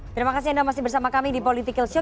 terima kasih anda masih bersama kami di political show